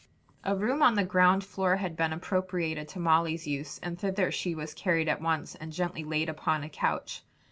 A room on the ground floor had been appropriated to Molly's use, and thither she was carried at once, and gently laid upon a couch.